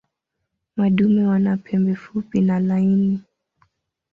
Madume wana pembe fupi na laini.